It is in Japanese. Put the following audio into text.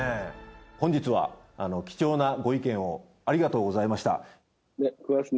本日は貴重なご意見をありがとうございました。